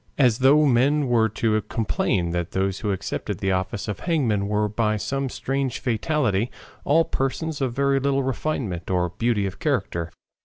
As though men were to complain that those who accepted the office of hangman were by some strange fatality all persons of very little refinement or beauty of character.